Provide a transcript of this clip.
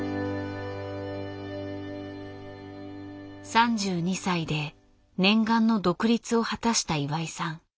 ３２歳で念願の独立を果たした岩井さん。